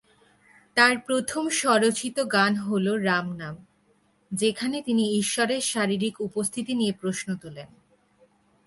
তার প্রথম স্বরচিত গান হলো "রাম নাম", যেখানে তিনি ঈশ্বরের শারীরিক উপস্থিতি নিয়ে প্রশ্ন তোলেন।